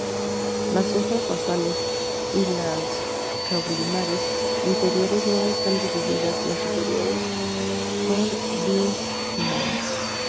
Las hojas basales y las caulinares interiores no están divididas, las superiores on bipinnadas.